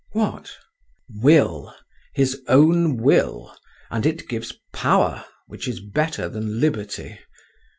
"What?" "Will, his own will, and it gives power, which is better than liberty.